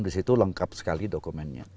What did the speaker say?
di situ lengkap sekali dokumennya